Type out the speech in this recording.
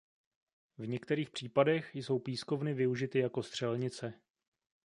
V některých případech jsou pískovny využity jako střelnice.